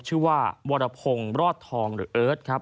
ชื่อว่าวรพงศ์รอดทองหรือเอิร์ทครับ